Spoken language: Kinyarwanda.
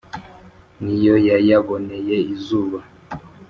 ni yo yayaboneye izuba